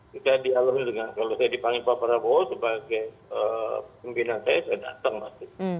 saya dialog dengan kalau saya dipanggil pak prabowo sebagai pimpinan saya saya datang pasti